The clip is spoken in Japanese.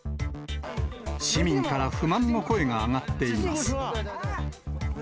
市民から不満の声が上がっています。